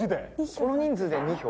この人数で２票？